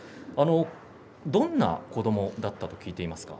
どんな子どもだったと聞いていますか？